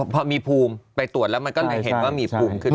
พอมีภูมิไปตรวจแล้วมันก็เลยเห็นว่ามีภูมิขึ้นมา